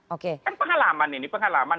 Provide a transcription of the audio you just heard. oke kan pengalaman ini pengalaman